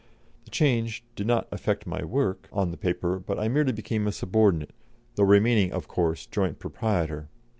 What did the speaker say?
The change did not affect my work on the paper, but I became merely a subordinate, though remaining, of course, joint proprietor.